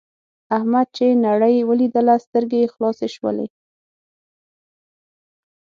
احمد چې نړۍ ولیدله سترګې یې خلاصې شولې.